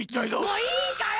もういいから！